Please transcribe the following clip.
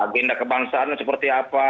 genda kebangsaannya seperti apa